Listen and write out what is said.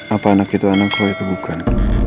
apa anak itu anak gue itu bukan